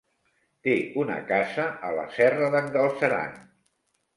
Té una casa a la Serra d'en Galceran.